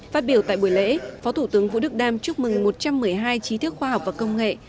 phát biểu tại buổi lễ phó thủ tướng vũ đức đam chúc mừng một trăm một mươi hai trí thức khoa học và công nghệ